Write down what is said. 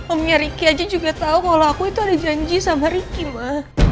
omnya riki aja juga tau kalau aku itu ada janji sama riki ma